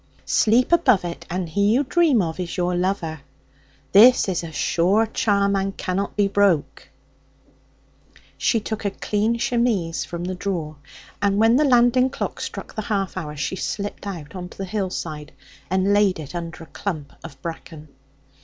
Sleep above it, and he you dream of is your lover. This is a sure charm, and cannot be broke.' She took a clean chemise from the drawer, and when the landing clock struck the half hour she slipped out on to the hillside and laid it under a clump of bracken.